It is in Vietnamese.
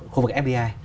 khu vực fbi